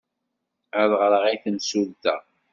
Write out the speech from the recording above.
Ad ɣreɣ i yimsulta.